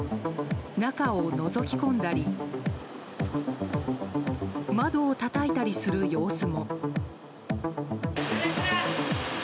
中をのぞき込んだり窓をたたいたりする様子も。